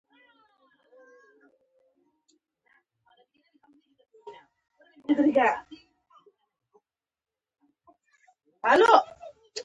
ژبه د وطن سره مینه څرګندوي